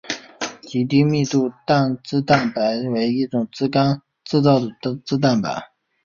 极低密度脂蛋白为一种由肝脏制造的脂蛋白。